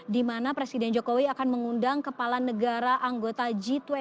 di mana presiden jokowi akan mengundang kepala negara anggota g dua puluh